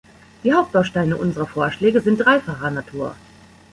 Die Hauptbausteine unserer Vorschläge sind dreifacher Natur.